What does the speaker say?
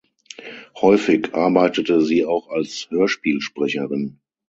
Häufig arbeitete sie auch als Hörspielsprecherin.